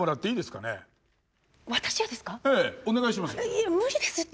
いや無理ですって。